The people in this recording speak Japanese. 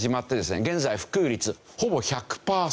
現在普及率ほぼ１００パーセント。